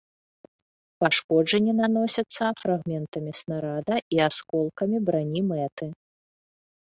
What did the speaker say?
Пашкоджанні наносяцца фрагментамі снарада і асколкамі брані мэты.